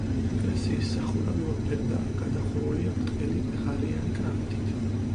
ეკლესიის სახურავი ორფერდაა, გადახურულია ბრტყელი ღარიანი კრამიტით.